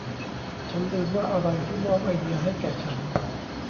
ฉันลืมว่าอะไรที่มอบไอเดียให้แก่ฉัน